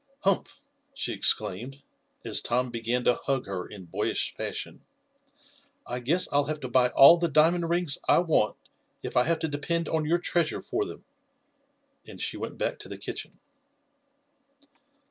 "Humph!" she exclaimed, as Tom began to hug her in boyish fashion. "I guess I'll have to buy all the diamond rings I want, if I have to depend on your treasure for them," and she went back to the kitchen.